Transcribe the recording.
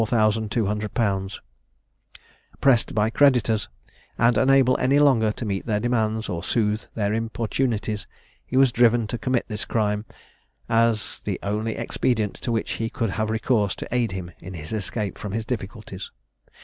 _ Pressed by creditors, and unable any longer to meet their demands or soothe their importunities, he was driven to commit this crime, as the only expedient to which he could have recourse to aid him in his escape from his difficulties.